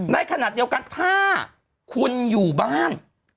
ในขณะเดียวกันถ้าคุณอยู่บ้าน